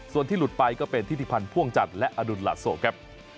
ส่วนที่หลุดไปก็เป็นทิศิพันธ์พ่วงจันทร์และอดุลลาโซครับ